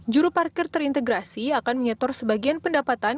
juru parkir terintegrasi akan menyetor sebagian pendapatan